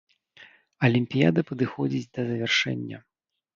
Алімпіяда падыходзіць да завяршэння.